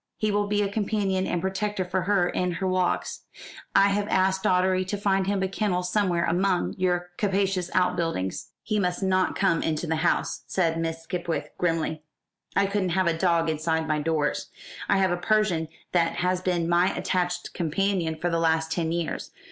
He will be a companion and protector for her in her walks. I have asked Doddery to find him a kennel somewhere among your capacious outbuildings." "He must not come into the house," said Miss Skipwith grimly; "I couldn't have a dog inside my doors. I have a Persian that has been my attached companion for the last ten years.